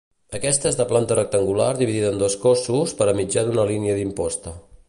Aquest és de planta rectangular dividida en dos cossos per mitjà d'una línia d'imposta.